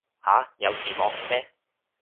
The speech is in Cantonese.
吓有字幕咩